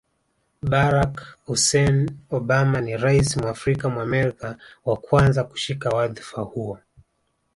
Barack Hussein Obama ni Raisi MwafrikaMwamerika wa kwanza kushika wadhifa huo